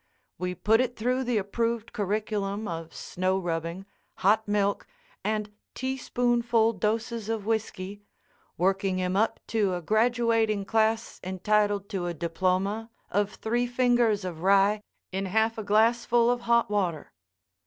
We put it through the approved curriculum of snow rubbing, hot milk, and teaspoonful doses of whiskey, working him up to a graduating class entitled to a diploma of three fingers of rye in half a glassful of hot water.